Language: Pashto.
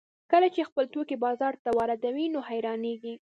کله چې خپل توکي بازار ته واردوي نو حیرانېږي